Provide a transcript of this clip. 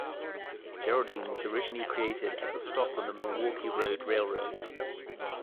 Geraldine was originally created as a stop on the Milwaukee Road railroad.